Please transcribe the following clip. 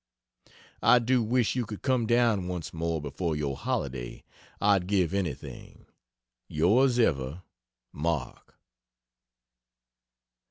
I do wish you could come down once more before your holiday. I'd give anything! Yrs ever, MARK.